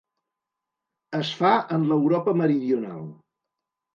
Es fa en l'Europa meridional.